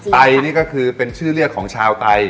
ไตนี่ก็คือเป็นชื่อเรียกของชาวไต